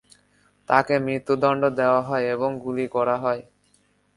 তাকে মৃত্যুদণ্ড দেওয়া হয় এবং গুলি করা হয়।